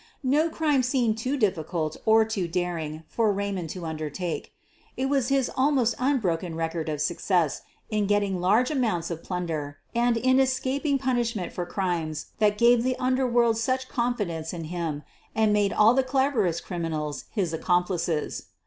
No crime seemed too difficult or too daring for Raymond to undertake. It was his almost unbroken record of success in getting large amounts of plun der and in escaping punishment for crimes thai gave the underworld such confidence in him and made all the cleverest criminals his accomplices.